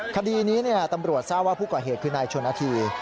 คดีนี้ตำรวจทราบว่าผู้ก่อเหตุคือนายชนนาธี